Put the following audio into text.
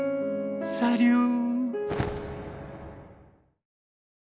サリュー！